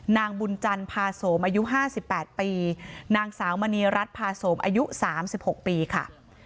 นางบุญจันทร์พาโสมอายุ๕๘ปีนางสาวมณีรัฐพาโสมอายุ๓๖ปีค่ะ